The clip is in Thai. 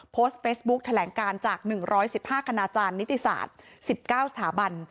โพสต์เฟซบุ๊คแถลงการจาก๑๑๕คณาจารย์นิติศาสตร์๑๙สถาบัน